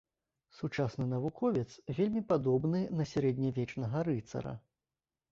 Сучасны навуковец вельмі падобны на сярэднявечнага рыцара.